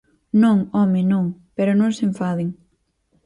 Non, home, non, pero non se enfaden.